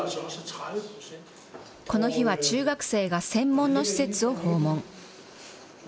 この日は中学生が専門の施設を訪問。